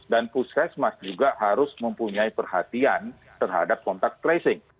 dan puskesmas juga harus mempunyai perhatian terhadap kontak tracing